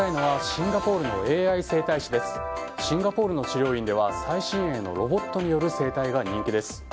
シンガポールの治療院では最新鋭のロボットによる整体が人気です。